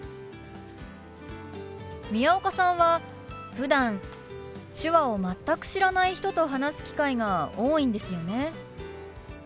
宮岡さんはふだん手話を全く知らない人と話す機会が多いんですよね。